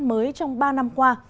mới trong ba năm qua